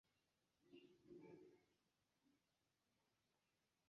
Kruroj kaj irisoj estas flavaj.